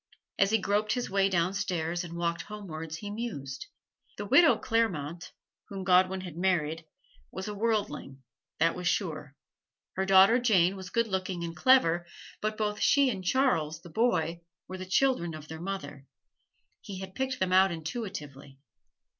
As he groped his way downstairs and walked homewards he mused. The widow Clairmont, whom Godwin had married, was a worldling, that was sure; her daughter Jane was good looking and clever, but both she and Charles, the boy, were the children of their mother he had picked them out intuitively.